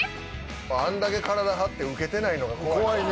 あんだけ体張ってウケてないのが怖いですよね。